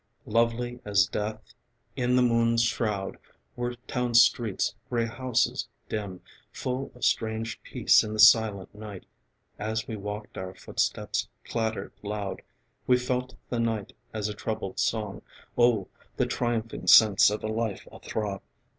Lovely as death, in the moon's shroud, Were town streets, grey houses, dim, Full of strange peace in the silent night. As we walked our footsteps clattered loud. We felt the night as a troubled song ... Oh, the triumphing sense of life a throb.